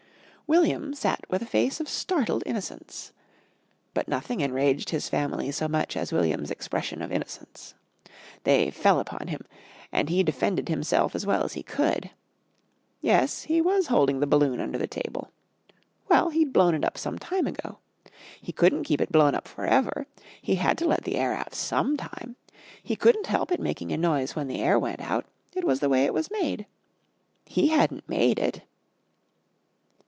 William sat with a face of startled innocence. But nothing enraged his family so much as William's expression of innocence. They fell upon him, and he defended himself as well as he could. Yes, he was holding the balloon under the table. Well, he'd blown it up some time ago. He couldn't keep it blown up for ever. He had to let the air out some time. He couldn't help it making a noise when the air went out. It was the way it was made. He hadn't made it.